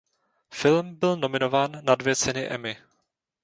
Film byl nominován na dvě ceny Emmy.